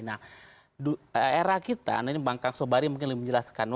nah era kita ini bang kang sobari mungkin lebih menjelaskan